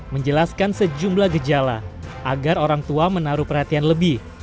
menjelaskan sejumlah gejala agar orang tua menaruh perhatian lebih